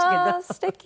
すてき。